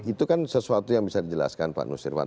itu kan sesuatu yang bisa dijelaskan pak nusirwan